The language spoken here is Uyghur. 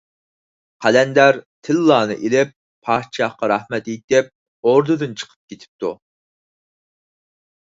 قەلەندەر تىللانى ئېلىپ، پادىشاھقا رەھمەت ئېيتىپ ئوردىدىن چىقىپ كېتىپتۇ.